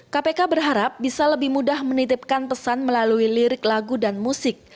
kpk berharap bisa lebih mudah menitipkan pesan melalui lirik lagu dan musik